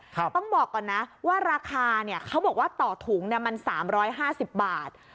ต้องบอกก่อนนะว่าราคาเนี่ยเขาบอกว่าต่อถุงเนี่ยมัน๓๕๐บาท